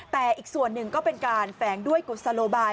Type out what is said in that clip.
แต่อีกส่วนหนึ่งก็เป็นการแฝงด้วยกุศโลบาย